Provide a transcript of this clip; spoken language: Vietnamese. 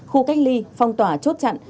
khu cách ly phong tỏa chốt chặn